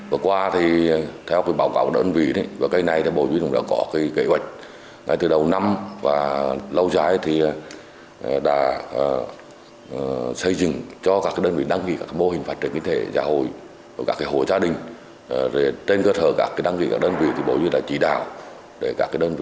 vừa qua thì theo báo cáo đơn vị bộ viên đã có kế hoạch ngay từ đầu năm và lâu dài thì đã xây dựng cho các đơn vị đăng ký các mô hình phát triển kinh tế